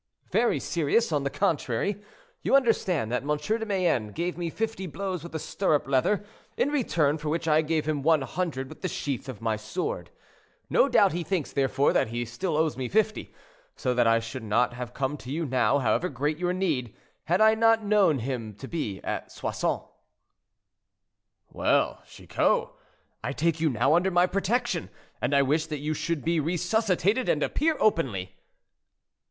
"Very serious, on the contrary. You understand that M. de Mayenne gave me fifty blows with a stirrup leather, in return for which I gave him one hundred with the sheath of my sword. No doubt he thinks, therefore, that he still owes me fifty, so that I should not have come to you now, however great your need, had I not known him to be at Soissons." "Well, Chicot, I take you now under my protection, and I wish that you should be resuscitated and appear openly."